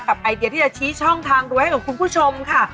ไอเดียที่จะชี้ช่องทางรวยให้กับคุณผู้ชมค่ะ